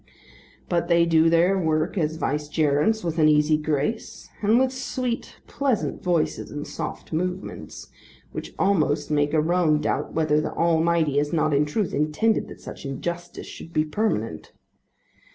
But they do their work as vicegerents with an easy grace, and with sweet pleasant voices and soft movements, which almost make a man doubt whether the Almighty has not in truth intended that such injustice should be permanent.